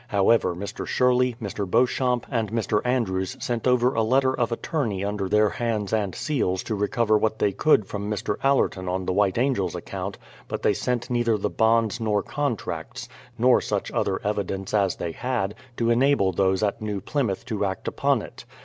How ever, Mr. Sherley, Mr. Beauchamp, and Mr. Andrews sent over a letter of attorney under their hands and seals to re cover what they could from Mr. Allerton on the White Angel's account, but they sent neither the bonds nor con tracts, nor such other evidence as they had, to enable those at New Plymouth to act upon it.